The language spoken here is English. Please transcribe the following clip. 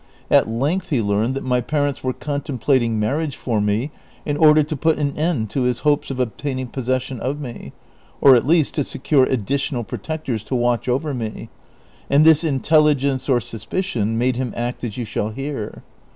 At length he learned that my parents were contemplating marriage for me in order to j^ut an end to liis hopes of obtaining possession of me, or at least to secure additional protectors to watch over me, and this intelligence or sus picion made him act as you shall hear.